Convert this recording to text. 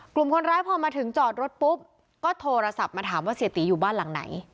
กลุ่มคนร้ายพอมาถึงจอดรถปุ๊บก็โทรศัพท์มาถามว่าเสียตีอยู่บ้านหลังไหน